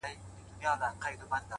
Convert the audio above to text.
• واك ضرور دئ د نااهلو حاكمانو -